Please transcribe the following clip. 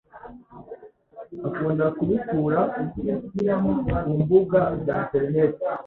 akunda kubikura ku Imbuga za interineti.